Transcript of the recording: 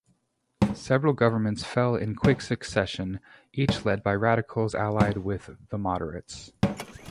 Several governments fell in quick succession, each led by radicals allied with the "moderates".